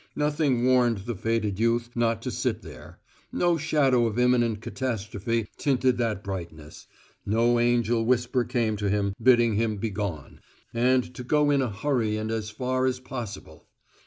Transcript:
Nothing warned the fated youth not to sit there; no shadow of imminent catastrophe tinted that brightness: no angel whisper came to him, bidding him begone and to go in a hurry and as far as possible.